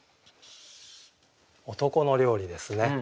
「男の料理」ですね。